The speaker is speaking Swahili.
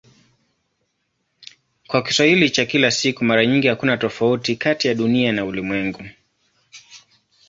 Kwa Kiswahili cha kila siku mara nyingi hakuna tofauti kati ya "Dunia" na "ulimwengu".